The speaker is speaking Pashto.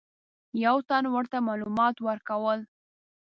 یو تن ورته معلومات ورکول.